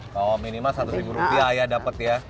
kalau minimal rp satu ayah dapat ya